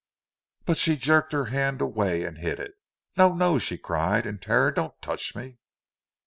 But she jerked her hand away and hid it. "No, no!" she cried, in terror. "Don't touch me!"